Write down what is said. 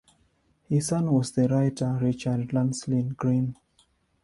His son was the writer Richard Lancelyn Green.